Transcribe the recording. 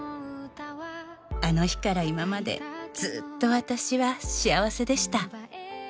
「あの日から今までずっと私は幸せでした」